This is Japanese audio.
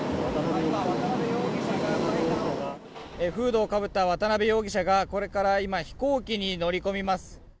フードをかぶった渡辺容疑者がこれから飛行機に乗り込みます。